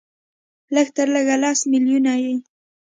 لږ تر لږه لس ملیونه یې